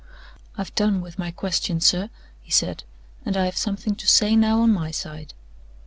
"I've done with my questions, sir," he said; "and I have something to say now on my side.